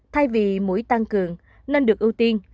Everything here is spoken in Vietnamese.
thay vì mũi tăng cường nên được ưu tiên